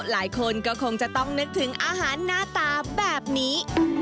หลายคนก็คงจะต้องนึกถึงอาหารหน้าตาแบบนี้